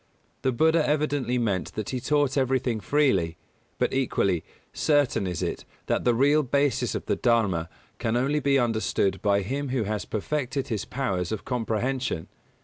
The Buddha evidently meant that he taught everything freely; but equally certain is it that the real basis of the Dharma can only be understood by him who has perfected his powers of comprehension.